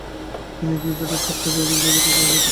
তিনি গ্রিফিথের ষাটটির অধিক নির্বাক চলচ্চিত্রে কাজ করেন।